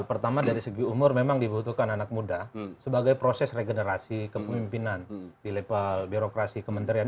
pertama dari segi umur memang dibutuhkan anak muda sebagai proses regenerasi kepemimpinan di level birokrasi kementerian